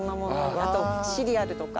あとシリアルとか。